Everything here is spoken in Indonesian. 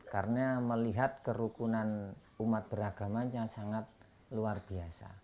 karena melihat kerukunan umat beragama yang sangat luar biasa